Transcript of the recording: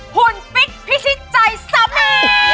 หุ่นฟิตพิชิตใจสมีย์